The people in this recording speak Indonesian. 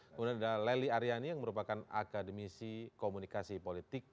kemudian ada lely aryani yang merupakan akademisi komunikasi politik